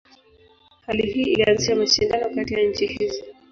Hali hii ilianzisha mashindano kati ya nchi hizo.